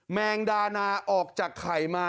แมงดานาออกจากไข่มา